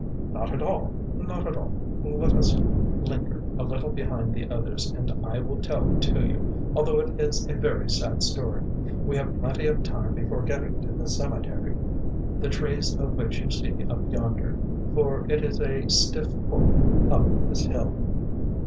“Not at all, not at all. Let us linger a little behind the others, and I will tell it you, although it is a very sad story. We have plenty of time before getting to the cemetery, the trees of which you see up yonder, for it is a stiff pull up this hill.